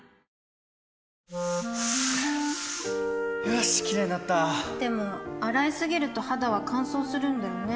よしキレイになったでも、洗いすぎると肌は乾燥するんだよね